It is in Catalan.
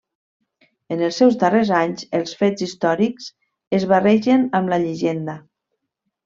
En els seus darrers anys, els fets històrics es barregen amb la llegenda.